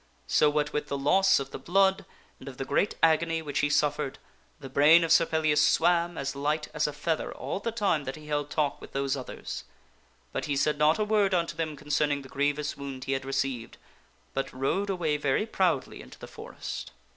So, what with the loss of the blood, and of the great agony which he suffered, the brain of Sir Pellias swam as light as a feather all the time that he held talk with those others. But he said not a word unto them concerning the grievous wound he had received, but rode away very proudly into the forest.